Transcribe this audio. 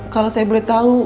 kalau saya boleh tahu